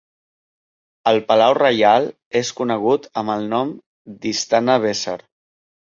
El palau reial és conegut amb el nom d'"Istana Besar".